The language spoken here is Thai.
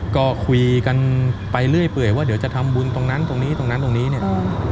ก็คุยกันไปเรื่อยเปื่อยว่าเดี๋ยวจะทำบุญตรงนั้นตรงนี้ตรงนั้นตรงนี้เนี่ย